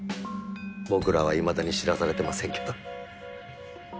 僕らはいまだに知らされてませんけど。